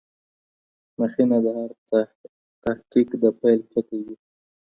مخینه د هر تحقیق د پیل ټکی وي.